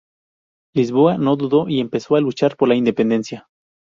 Lisboa no dudó y empezó a luchar por la independencia.